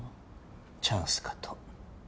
チャンスかと。